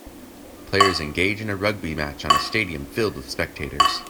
Players engage in a rugby match in a stadium filled with spectators.